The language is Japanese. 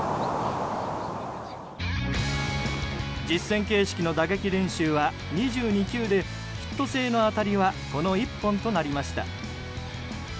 実戦形式の打撃練習は２２球でヒット性の当たりはこの１本となりました。